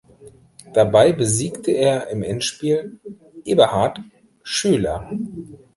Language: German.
Dabei besiegte er im Endspiel Eberhard Schöler.